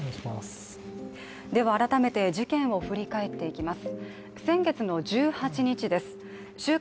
改めて事件を振り返っていきます。